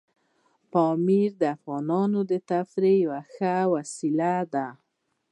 پامیر د افغانانو د تفریح یوه ښه وسیله ده.